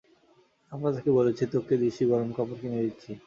আমরা তাকে বলছি, তোকে দিশি গরম কাপড় কিনে দিচ্ছি।